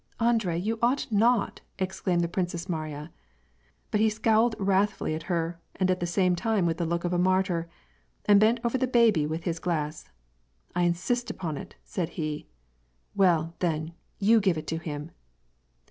" Andre, you ought not," exclaimed the Princess Mariya. But be scowled wrathfully at her, and at the same time with the look of a martyr, and bent over the baby with his glass. I insist upon it," said he. " Well, then, you give it to him